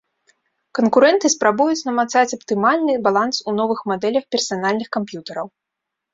Канкурэнты спрабуюць намацаць аптымальны баланс у новых мадэлях персанальных камп'ютараў.